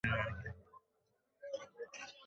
আপনি কি জানেন এর মানে কি?